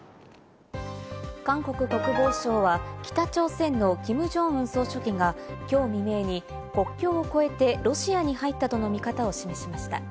韓国国防省は北朝鮮のキム・ジョンウン総書記がきょう未明に国境を越えてロシアに入ったとの見方を示しました。